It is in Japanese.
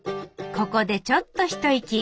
ここでちょっと一息。